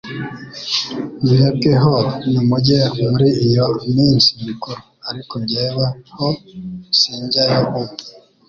Mwebwe ho nimujye muri iyo minsi mikuru; ariko jyewe ho sinjya yo ubu.